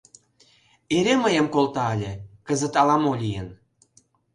Эре мыйым колта ыле, кызыт ала-мо лийын.